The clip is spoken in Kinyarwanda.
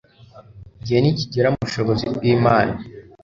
Igihe nikigera mu bushobozi bwImana